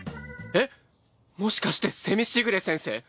えっもしかして蝉時雨先生？